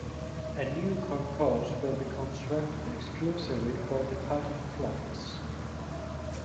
A new concourse will be constructed exclusively for departing flights.